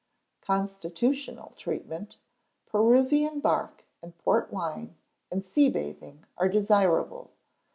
Constitutional treatment: Peruvian bark, and port wine, and sea bathing are desirable.